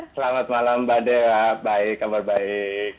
selamat malam mbak dea baik kabar baik